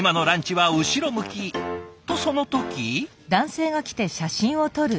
とその時。